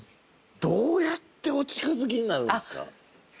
どうやってお近づきになるんですか？